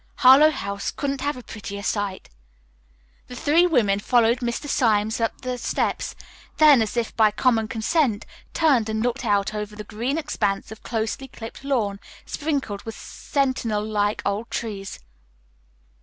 "Harlowe House couldn't have a prettier site." The three women followed Mr. Symes up the steps, then, as if by common consent, turned and looked out over the green expanse of closely clipped lawn, sprinkled with sentinel like old trees.